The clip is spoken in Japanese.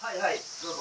どうぞ。